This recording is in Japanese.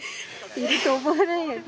いると思わないよね。